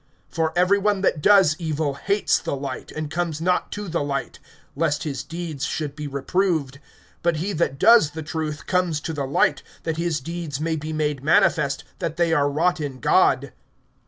(20)For every one that does evil hates the light, and comes not to the light, lest his deeds should be reproved. (21)But he that does the truth comes to the light, that his deeds may be made manifest, that they are wrought in God.